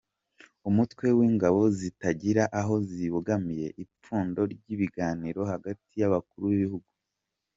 Umutwe w’ingabo zitagira aho zibogamiye; ipfundo ry’ibiganiro hagati y’abakuru b’ibihugu